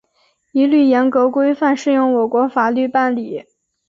一律严格、规范适用我国法律办理